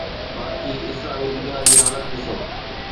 باقي اسلامي دنيا جي حالت ڏسو.